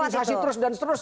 dipolitisasi terus dan terus